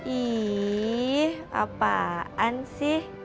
ih apaan sih